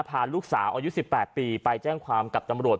พาลูกสาวอายุ๑๘ปีไปแจ้งความกับตำรวจ